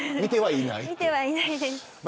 見てはいないです。